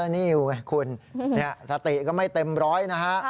นี่ไงคุณสติก็ไม่เต็มร้อยนะฮะ